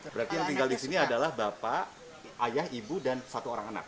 berarti yang tinggal di sini adalah bapak ayah ibu dan satu orang anak